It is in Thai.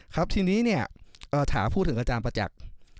ครับทีนี้เนี่ยถามพูดถึงอาจารย์ประจักษ์